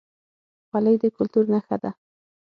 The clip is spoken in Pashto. خولۍ د کلتور نښه ده